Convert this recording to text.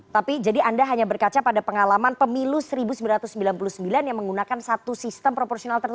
tapi jadi anda hanya berkaca pada pengalaman pemilu seribu sembilan ratus sembilan puluh sembilan yang menggunakan satu sistem proporsional tertutup